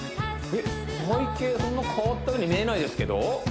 そんな変わったように見えないですけど？